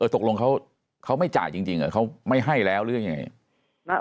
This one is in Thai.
ตกลงเขาไม่จ่ายจริงเขาไม่ให้แล้วหรือยังไง